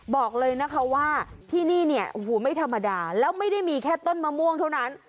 บอกเลยนะคะว่าที่นี่เนี่ยโอ้โหไม่ธรรมดาแล้วไม่ได้มีแค่ต้นมะม่วงเท่านั้น